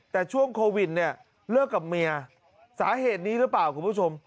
แต่ช่วงโควิดเนี่ยเลิกกับเมียสาเหตุนี้หรือเปล่าคุณผู้ชม